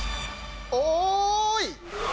おい！